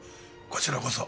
こちらこそ。